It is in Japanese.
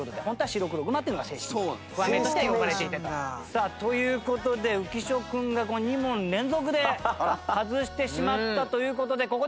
さあという事で浮所君が２問連続で外してしまったという事でここで脱落と！